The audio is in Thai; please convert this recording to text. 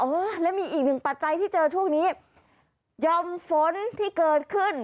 เออแล้วมีอีกหนึ่งปัจจัยที่เจอช่วงนี้ยอมฝนที่เกิดขึ้น